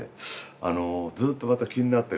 あのずっとまた気になってるやつで。